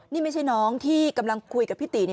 นี่ไม่ใช่น้องที่กำลังคุยกับพี่ตี